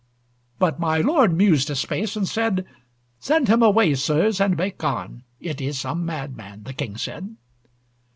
But my lord mused a space, and said: "Send him away, sirs, and make on! It is some madman!" the King said.